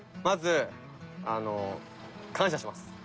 まずあの感謝します。